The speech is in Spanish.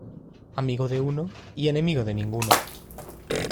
Amigo de uno, y enemigo de ninguno.